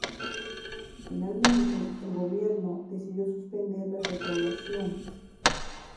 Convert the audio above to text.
Finalmente, el gobierno decidió suspender las recaudaciones.